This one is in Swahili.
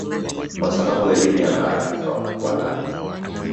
Kwa sababu elimu na maarifa walikuwa navyo